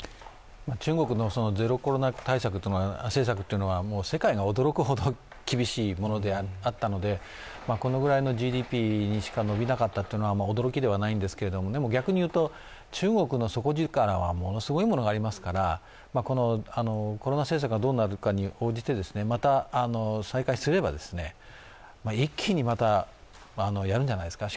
中国のゼロコロナ政策というのは世界が驚くほど厳しいものであったのでこのぐらいのＧＤＰにしか伸びなかったというのは驚きではないんですけどでも逆にいうと、中国の底力はものすごいものがありますから、コロナ政策がどうなるかに応じてまた再開すれば一気にまたやるんじゃないですか。